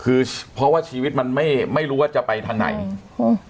คือเพราะว่าชีวิตมันไม่ไม่รู้ว่าจะไปทางไหนอ๋อ